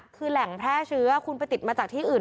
คือแหล่งแพร่เชื้อคุณไปติดมาจากที่อื่น